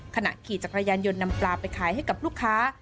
ขณะขี่จักรยานยนต์นำปลาไปขายให้กับลูกค้า